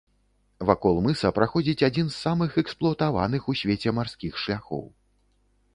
Вакол мыса праходзіць адзін з самых эксплуатаваных у свеце марскіх шляхоў.